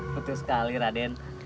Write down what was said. betul sekali raden